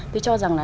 tôi cho rằng là